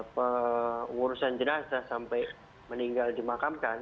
pengurusan jenazah sampai meninggal dimakamkan